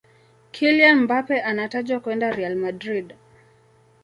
kylian mbappe anatajwa kwenda real madrid